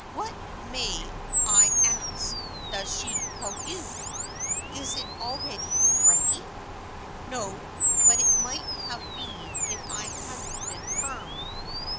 " What, may I ask, does she call you ? Is it already Freddie ?"" No, but it might have been if I hadn't been firm.